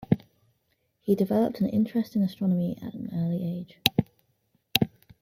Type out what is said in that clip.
He developed an interest in astronomy at an early age.